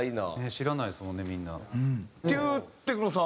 知らないですもんねみんな。っていうてく乃さん